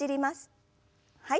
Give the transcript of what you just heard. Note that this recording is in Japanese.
はい。